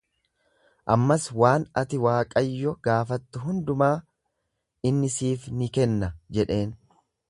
Ammas waan ati Waaqayyo gaafattu hundumaa inni siif ni kenna jedheen.